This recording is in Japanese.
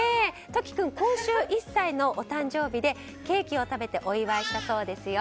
旬君、今週１歳のお誕生日でケーキを食べてお祝いしたそうですよ。